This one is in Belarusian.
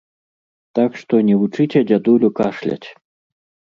Так што не вучыце дзядулю кашляць!